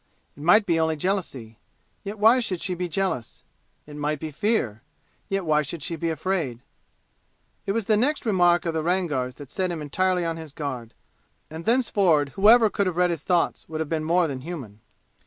It might be only jealousy, yet why should she be jealous? It might be fear yet why should she be afraid? It was the next remark of the Rangar's that set him entirely on his guard, and thenceforward whoever could have read his thoughts would have been more than human.